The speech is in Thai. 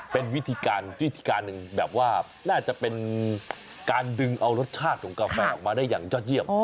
เป็นวิธีการวิธีการหนึ่งแบบว่าน่าจะเป็นการดึงเอารสชาติของกาแฟออกมาได้อย่างยอดเยี่ยม